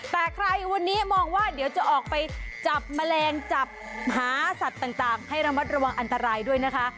แต่ใครวันนี้มองว่าเดี๋ยวจะออกไปจับแมลงจับหาสัตว์ต่างให้ระมัดระวังอันตรายด้วยนะคะ